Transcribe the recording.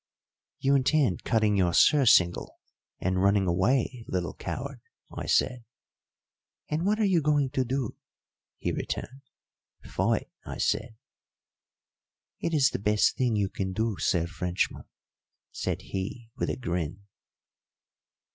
"You intend cutting your surcingle and running away, little coward?" I said. "And what are you going to do?" he returned. "Fight," I said. "It is the best thing you can do, Sir Frenchman," said he, with a grin.